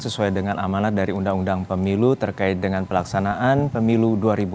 sesuai dengan amanat dari undang undang pemilu terkait dengan pelaksanaan pemilu dua ribu dua puluh